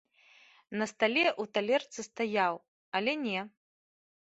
На стале ў талерцы стаяў, але не!